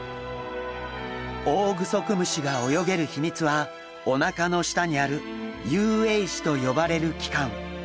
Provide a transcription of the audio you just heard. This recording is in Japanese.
オオグソクムシが泳げる秘密はおなかの下にある遊泳肢と呼ばれる器官。